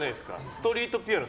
ストリートピアノ